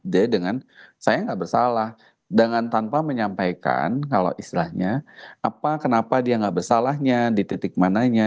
dia dengan saya nggak bersalah dengan tanpa menyampaikan kalau istilahnya apa kenapa dia nggak bersalahnya di titik mananya